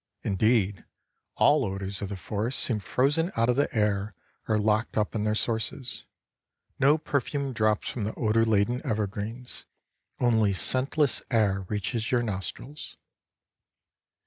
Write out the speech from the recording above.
Indeed, all odors of the forest seem frozen out of the air or locked up in their sources. No perfume drops from the odor laden evergreens, only scentless air reaches your nostrils.